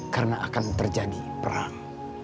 karena akan terjadi perang